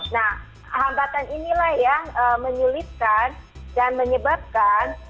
nah hambatan inilah yang menyulitkan dan menyebabkan